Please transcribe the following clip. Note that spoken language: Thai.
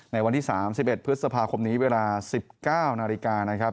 ในวันที่สามสิบเอ็ดพฤษภาคมนี้เวลาสิบเก้านาฬิกานะครับ